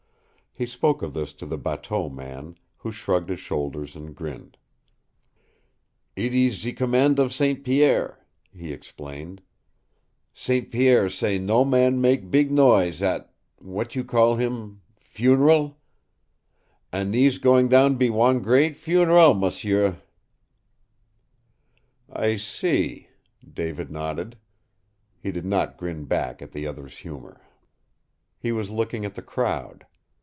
He spoke of this to the bateau man, who shrugged his shoulders and grinned. "Eet ees ze command of St. Pierre," he explained. "St. Pierre say no man make beeg noise at what you call heem funeral? An' theese goin' to be wan gran' fun e RAL, m'sieu!" "I see," David nodded. He did not grin back at the other's humor. He was looking at the crowd.